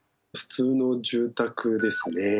普通の住宅ですね